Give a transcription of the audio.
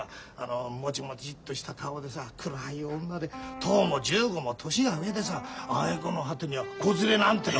もじもじっとした顔でさ暗い女で１０も１５も年が上でさあげくの果てには子連れなんてのがさ。